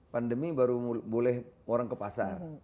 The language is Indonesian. pandemi baru boleh orang ke pasar